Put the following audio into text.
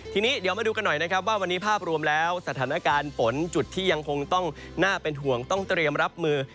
ทีนี้เดี๋ยวมาดูกันหน่อยนะครับว่าวันนี้ภาพรวมแล้วสถานการณ์ฝนจุดที่ยังคงต้องน่าเป็นห่วงต้องเตรียมรับมือ